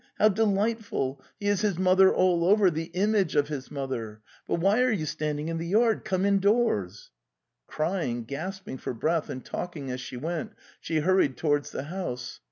How delightful! He is his The Steppe 299 mother all over! The image of his mother! But why are you standing in the yard? Come indoors." Crying, gasping for breath and talking as she went, she hurried towards the house.